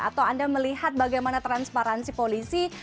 atau anda melihat bagaimana transparansi polisi